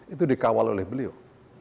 itu dikawal oleh beliau